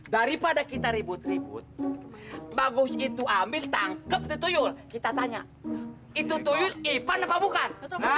daripada kita ribut ribut bagus itu ambil tangkap tutuyul kita tanya itu itu ipar nampak bukan